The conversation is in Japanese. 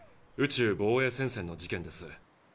宇宙防衛戦線の事件です。